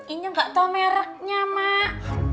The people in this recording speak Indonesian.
ini gak tau mereknya mak